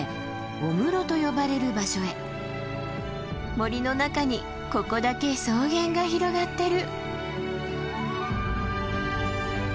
森の中にここだけ草原が広がってる。